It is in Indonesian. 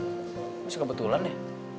masuk kebetulan ya